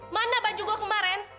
mana baju gue kemarin